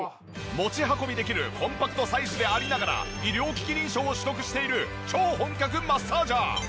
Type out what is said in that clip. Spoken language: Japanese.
持ち運びできるコンパクトサイズでありながら医療機器認証を取得している超本格マッサージャー。